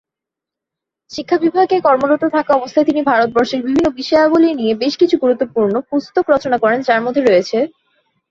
শিক্ষা বিভাগে কর্মরত থাকা অবস্থায় তিনি ভারতবর্ষের বিভিন্ন বিষয়াবলী নিয়ে বেশ কিছু গুরুত্বপূর্ণ পুস্তক রচনা করেন, যার মধ্যে রয়েছেঃ